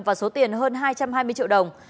và số tiền hơn hai trăm hai mươi triệu đồng